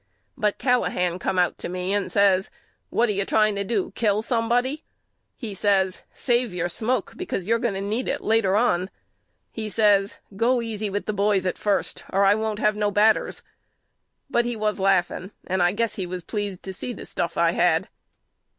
But Callahan come out to me and says What are you trying to do kill somebody? He says Save your smoke because you're going to need it later on. He says Go easy with the boys at first or I won't have no batters. But he was laughing and I guess he was pleased to see the stuff I had.